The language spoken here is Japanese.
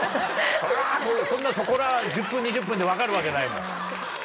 それはそこら１０２０分で分かるわけないもん。